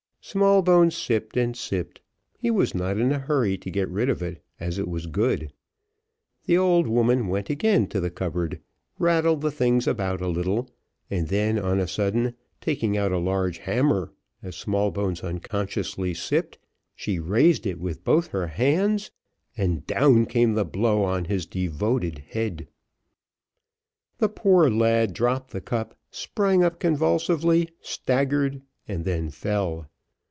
Smallbones sipped and sipped, he was not in a hurry to get rid of it, as it was good; the old woman went again to the cupboard, rattled the things about a little, and then, on a sudden, taking out a large hammer, as Smallbones unconsciously sipped, she raised it with both her hands, and down came the blow on his devoted head. The poor lad dropped the cup, sprang up convulsively, staggered, and then fell.